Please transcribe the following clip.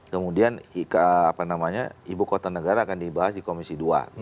kemudian ibu kota negara akan dibahas di komisi dua